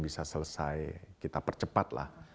bisa selesai kita percepatlah